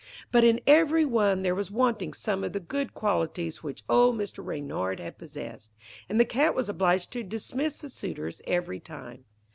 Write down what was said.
But in every one there was wanting some of the good qualities which old Mr. Reynard had possessed, and the Cat was obliged to dismiss the suitors every time.